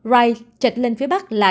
rai chạch lên phía bắc là